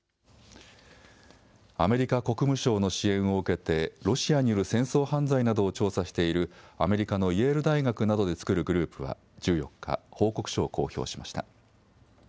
アメリカ国務省の支援を受けてロシアによる戦争犯罪などを調査しているアメリカのイェール大学などで作るグループは１４日、報告書を公表しました。